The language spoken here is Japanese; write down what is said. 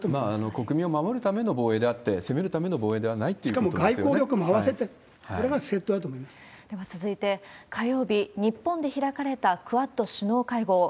国民を守るための防衛であって、攻めるための防衛ではないっしかも外交力も合わせて、では続いて、火曜日、日本で開かれたクアッド首脳会合。